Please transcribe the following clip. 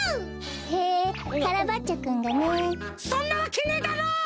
へえカラバッチョくんがね。そんなわけねえだろ！